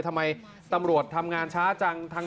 ทำไมตำรวจทำงานช้าจัง